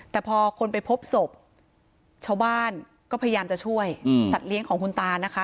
แต่พอคนไปพบศพชาวบ้านก็พยายามจะช่วยสัตว์เลี้ยงของคุณตานะคะ